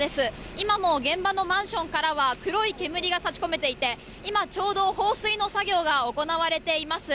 今も現場のマンションからは黒い煙が立ち込めていて、今ちょうど、放水の作業が行われています。